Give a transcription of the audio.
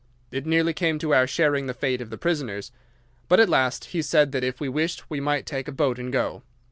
It nearly came to our sharing the fate of the prisoners, but at last he said that if we wished we might take a boat and go.